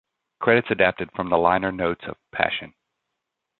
Credits adapted from the liner notes of "Passion".